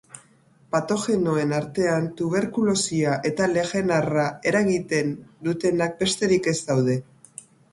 Patogenoen artean tuberkulosia eta legenarra eragiten dutenak besterik ez daude.